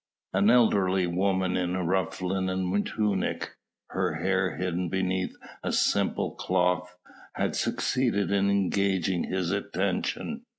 An elderly woman in rough linen tunic, her hair hidden beneath a simple cloth, had succeeded in engaging his attention.